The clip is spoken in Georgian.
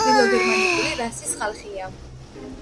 ნორვეგიელები ჩრდილოგერმანიკული რასის ხალხია.